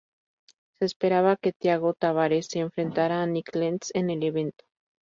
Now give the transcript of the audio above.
Se esperaba que Thiago Tavares se enfrentará a Nik Lentz en el evento.